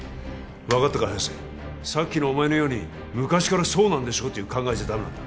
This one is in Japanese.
分かったか早瀬さっきのお前のように「昔からそうなんでしょ」っていう考えじゃダメなんだ